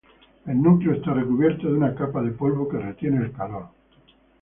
El núcleo está recubierto de una capa de polvo que retiene el calor.